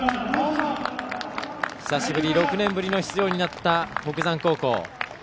久しぶり６年ぶりの出場になった北山高校。